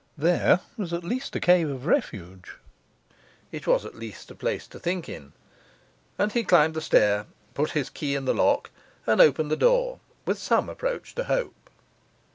There was at least a cave of refuge; it was at least a place to think in; and he climbed the stair, put his key in the lock and opened the door, with some approach to hope.